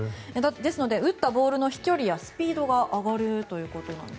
ですので打ったボールの飛距離やスピードが上がるということなんです。